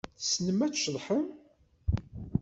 Tessnem ad tceḍḥem?